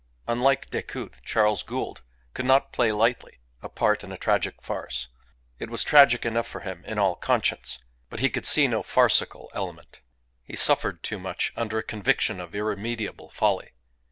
Unlike Decoud, Charles Gould could not play lightly a part in a tragic farce. It was tragic enough for him in all conscience, but he could see no farcical element. He suffered too much under a conviction of irremediable folly.